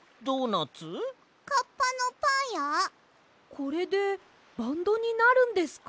これでバンドになるんですか？